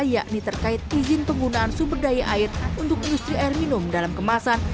yakni terkait izin penggunaan sumber daya air untuk industri air minum dalam kemasan